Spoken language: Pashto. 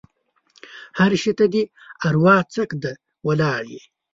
هر شي ته دې اروا څک دی؛ ولاړ يې.